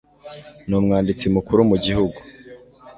Ni umwanditsi mukuru mu gihugu.